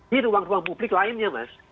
di ruang ruang publik lainnya mas